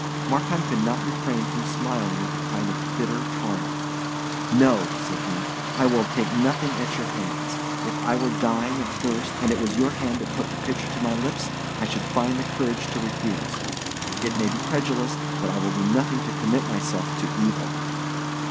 Markheim could not refrain from smiling with a kind of bitter triumph. "No," said he, "I will take nothing at your hands; if I were dying of thirst, and it was your hand that put the pitcher to my lips, I should find the courage to refuse. It may be credulous, but I will do nothing to commit myself to evil."